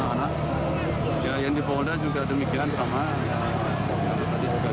itu proses yang di polres juga kita minta keterangan karena banyak yang dibawa umur anak anak